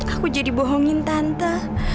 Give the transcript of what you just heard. aku jadi bohongin tante